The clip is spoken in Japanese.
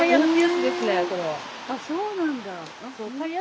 あっそうなんだ。